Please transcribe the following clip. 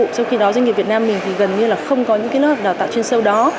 trong khi đó doanh nghiệp việt nam mình gần như không có những lớp học đào tạo chuyên sâu đó